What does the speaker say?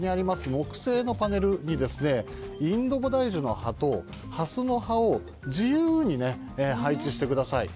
木製のパネルにインドボダイジュの葉とハスの葉を自由に配置してください。